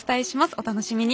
お楽しみに。